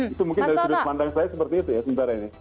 itu mungkin dari sudut pandang saya seperti itu ya sementara ini